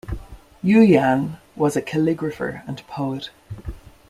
Yuyan was a calligrapher and poet.